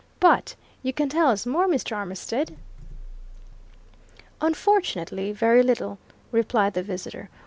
But you can tell us more, Mr. Armitstead?" "Unfortunately, very little," replied the visitor.